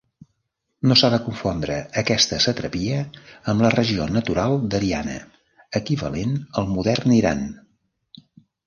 No s'ha de confondre aquesta satrapia amb la regió natural d'Ariana, equivalent al modern Iran.